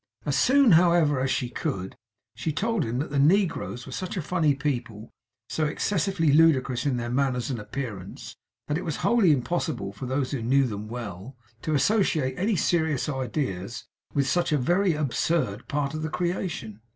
As soon however as she could, she told him that the negroes were such a funny people, so excessively ludicrous in their manners and appearance, that it was wholly impossible for those who knew them well, to associate any serious ideas with such a very absurd part of the creation.